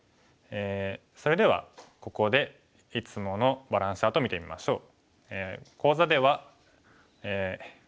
それではここでいつものバランスチャートを見てみましょう。